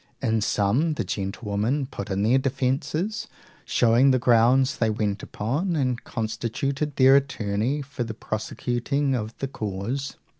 In sum, the gentlewomen put in their defences, showing the grounds they went upon, and constituted their attorney for the prosecuting of the cause.